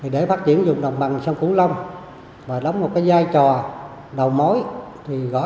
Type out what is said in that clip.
để phát triển dùng đồng bằng sông cửu long và đóng một cái dây